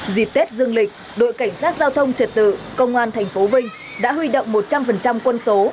dịp tết dương lịch đội cảnh sát giao thông trật tự công an tp vinh đã huy động một trăm linh quân số